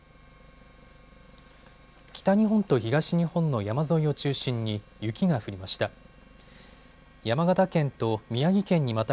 北日本と東日本の山沿いを中心に雪が降りました。